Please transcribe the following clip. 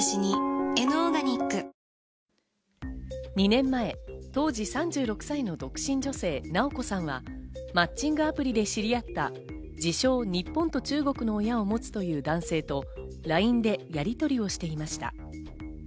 ２年前、当時３６歳の独身女性・なおこさんは、マッチングアプリで知り合った、自称、日本と中国の親を持つという男性とＬＩＮＥでやりとりをしていました。